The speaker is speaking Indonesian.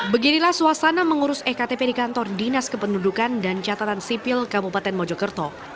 beginilah suasana mengurus ektp di kantor dinas kependudukan dan catatan sipil kabupaten mojokerto